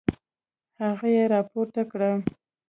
هغه يې راپورته کړه.